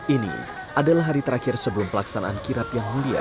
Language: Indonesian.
ini adalah hari terakhir sebelum pelaksanaan kirap yang mulia